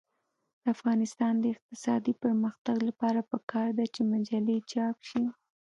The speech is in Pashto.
د افغانستان د اقتصادي پرمختګ لپاره پکار ده چې مجلې چاپ شي.